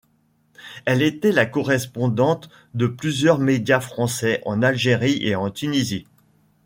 Elle était la correspondante de plusieurs médias français en Algérie et en Tunisie.